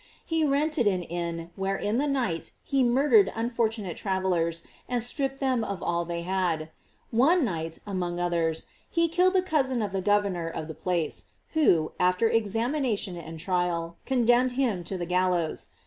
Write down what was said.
He rented an inn, where in the night he murdered unfortunate travellers and stripped them of all they had. Pne night, among others, he killed the cousin of the gov ernor of the place, who, after examination and trial, condemned him to the gallows.